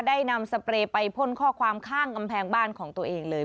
ได้นำสเปรย์ไปพ่นข้อความข้างกำแพงบ้านของตัวเองเลย